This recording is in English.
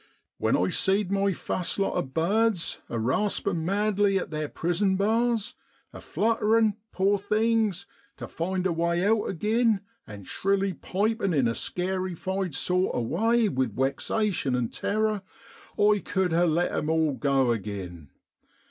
' When I seed my fust lot of bards a raspin' madly at theer prison bars, a flutterin', poor things ! to find a way out agin, and shrilly pipin' in a scarified sort of way with wexation an' terror, I cud ha' let 'em all go agin.